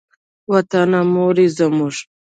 وطنه مور یې زموږ.